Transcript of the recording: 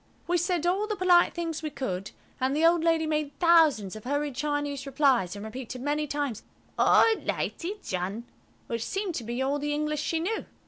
We said all the polite things we could, and the old lady made thousands of hurried Chinese replies, and repeated many times, "All litey, John," which seemed to be all the English she knew.